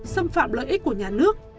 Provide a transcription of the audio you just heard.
xâm phạm lợi ích của nhà nước